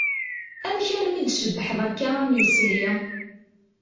Amek armi d-tcebbḥeḍ akka am yisli?